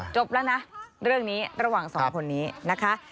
จบแล้วนะเรื่องนี้ระหว่างสองคนนี้นะคะ